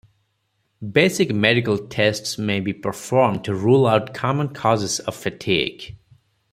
Basic medical tests may be performed to rule out common causes of fatigue.